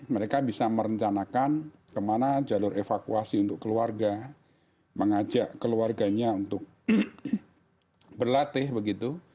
mereka bisa merencanakan kemana jalur evakuasi untuk keluarga mengajak keluarganya untuk berlatih begitu